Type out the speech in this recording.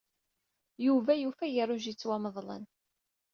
Yuba yufa agerruj yettwamḍlen.